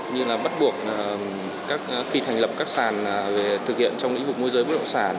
như là bắt buộc khi thành lập các sàn thực hiện trong những môi giới bất động sản